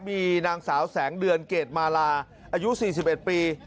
มีนางสาวแสงเดือนเกรดมาลาอายุ๔๑ปี